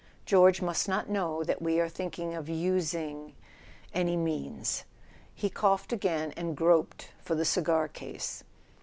George must not know that we are thinking of using ... any means ..." He coughed again, and groped for the cigar case.